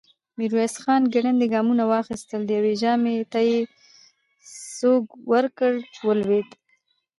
ميرويس خان ګړندي ګامونه واخيستل، د يوه ژامې ته يې سوک ورکړ، ولوېد.